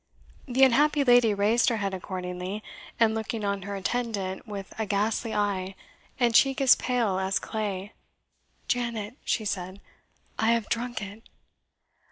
The unhappy lady raised her head accordingly, and looking on her attendant with a ghastly eye, and cheek as pale as clay "Janet," she said, "I have drunk it."